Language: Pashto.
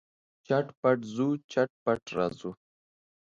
چټ پټ ځو، چټ پټ راځو.